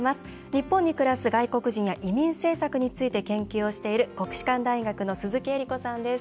日本に暮らす外国人や移民政策について研究をしている国士舘大学の鈴木江理子さんです。